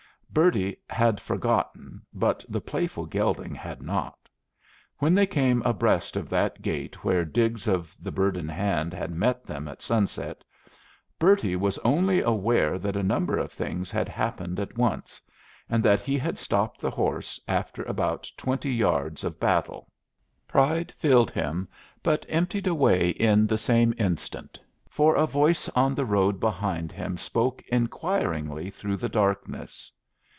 Bertie had forgotten, but the playful gelding had not. When they came abreast of that gate where Diggs of the Bird in Hand had met them at sunset, Bertie was only aware that a number of things had happened at once, and that he had stopped the horse after about twenty yards of battle. Pride filled him, but emptied away in the same instant, for a voice on the road behind him spoke inquiringly through the darkness.